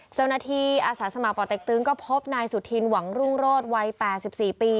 เจ้าหน้าที่อาสาสมปตกก็พบนายสุธินหวังรุงโรศวัย๘๔ปี